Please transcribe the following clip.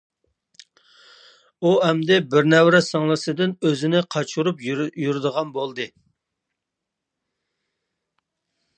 ئۇ ئەمدى بىر نەۋرە سىڭلىسىدىن ئۆزىنى قاچۇرۇپ يۈرىدىغان بولدى.